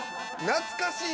懐かしい。